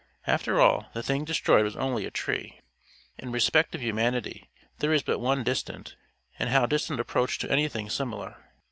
After all, the thing destroyed was only a tree. In respect of humanity there is but one distant, and how distant approach to anything similar!